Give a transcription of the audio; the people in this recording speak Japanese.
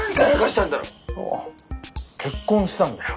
おお結婚したんだよ。